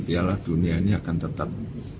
piala dunia ini akan tetap